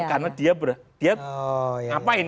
karena dia ngapain